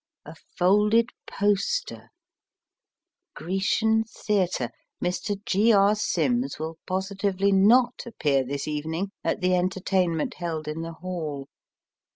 A folded poster : GRECIAN THEATRE Mr. G. R. Sims will positively not appear this evening at the entertainment held in the Hall.